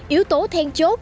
yếu tố then chốt